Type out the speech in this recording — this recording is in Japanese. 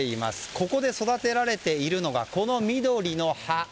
ここで育てられているのがこの緑の葉。